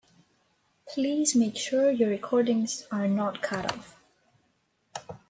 Please make sure your recordings are not cut off.